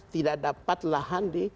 tidak dapat lahan di